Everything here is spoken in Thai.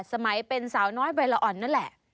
สมัยเป็นสาวน้อยใบละอ่อนนั่นแหละ